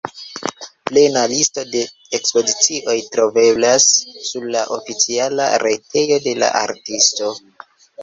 Plena listo de ekspozicioj troveblas sur la oficiala retejo de la artisto.